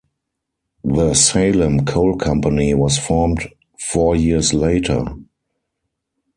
The Salem Coal Company was formed four years later.